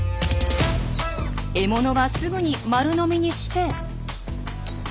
獲物はすぐに丸飲みにして。